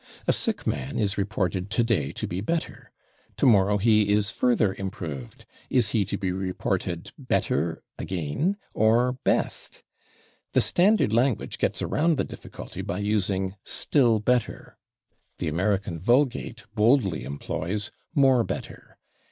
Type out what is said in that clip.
A sick man is reported today to be /better/. Tomorrow he is further improved. Is he to be reported /better/ again, or /best/? The standard language gets around the difficulty by using /still better/. The American vulgate boldly employs /more better